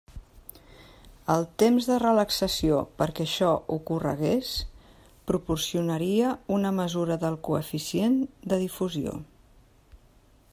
El temps de relaxació perquè això ocorregués proporcionaria una mesura del coeficient de difusió.